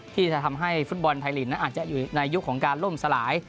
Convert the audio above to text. ที่จะทำให้ฟุตบอลไทยลีกนั้นอาจจะอยู่ในยุคของการล่มสลาย